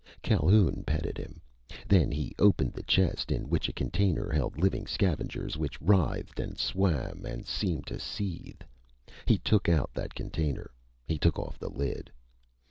Calhoun petted him. Then he opened the chest in which a container held living scavengers which writhed and swam and seemed to seethe. He took out that container. He took off the lid.